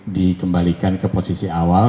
dikembalikan ke posisi awal